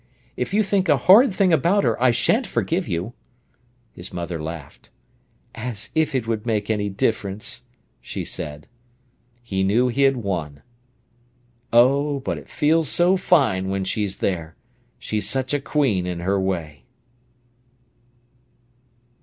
If you think a horrid thing about her, I shan't forgive you." His mother laughed. "As if it would make any difference!" she said. He knew he had won. "Oh, but it feels so fine, when she's there! She's such a queen in her way."